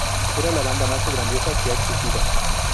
Era la banda más grandiosa que ha existido.